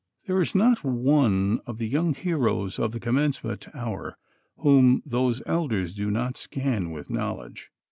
There is not one of the young heroes of the Commencement hour whom those elders do not scan with knowledge.